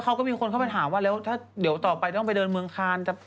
เขาก็มีคนเข้าไปถามว่าแล้วถ้าเดี๋ยวต่อไปต้องไปเดินเมืองคาน